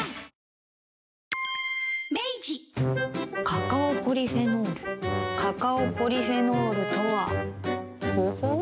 カカオポリフェノールカカオポリフェノールとはほほう。